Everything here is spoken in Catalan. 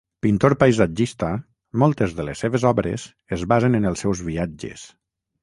Pintor paisatgista, moltes de les seves obres es basen en els seus viatges.